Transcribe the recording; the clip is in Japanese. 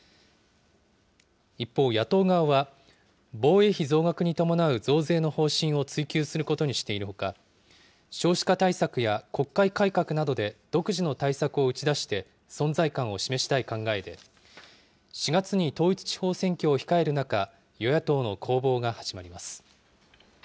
一方、野党側は防衛費増額に伴う増税の方針を追及することにしているほか、少子化対策や国会改革などで独自の対策を打ち出して存在感を示したい考えで、４月に統一地方選挙を控える中、与野党の攻防が始まります。